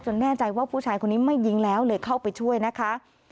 แน่ใจว่าผู้ชายคนนี้ไม่ยิงแล้วเลยเข้าไปช่วยนะคะ